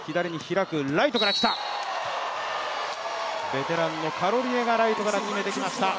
ベテランのカロリネがライトから決めてきました。